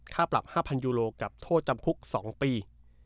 ค่าปรับ๕๐๐ยูโลกับโทษจำคุก๒ปี